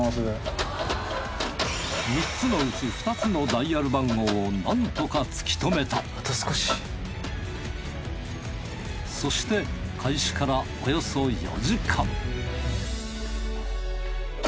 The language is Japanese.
３つのうち２つのダイヤル番号をなんとか突き止めたそして開始からおよそ４時間